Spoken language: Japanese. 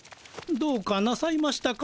どうかなさいましたか？